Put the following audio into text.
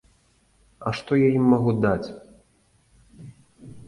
А што я ім магу даць?